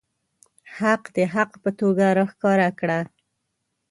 حق د حق په توګه راښکاره کړه.